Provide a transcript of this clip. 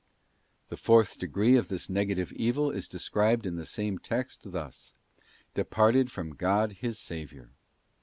} The fourth degree of this negative evil is described in the same text thus: 'departed from God his Saviour.